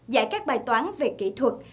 giải các bài toán về kỹ thuật